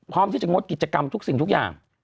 พร้อมที่จะงดกิจกรรมทุกสิ่งทุกอย่าง